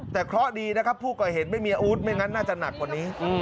แต่เคราะห์ดีนะครับผู้ก่อเหตุไม่มีอาวุธไม่งั้นน่าจะหนักกว่านี้